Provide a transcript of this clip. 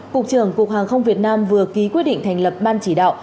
cục trưởng cục hàng không việt nam vừa ký quyết định thành lập ban chỉ đạo